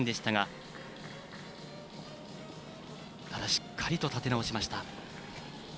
ただ、しっかりと立て直しました。